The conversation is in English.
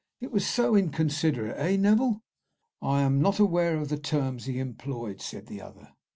"It was so inconsiderate, eh, Neville?" "I'm not aware of the terms he employed," said the other.